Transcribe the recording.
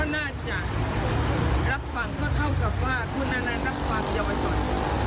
น่าจะรับฝั่งคือเท่ากับว่าคุณอนันท์รับฝั่งเยาาบัโฉร